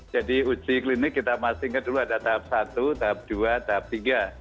uji klinik kita masih ingat dulu ada tahap satu tahap dua tahap tiga